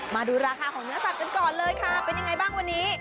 มาดูราคาของเนื้อสัตว์กันก่อนเลยค่ะเป็นยังไงบ้างวันนี้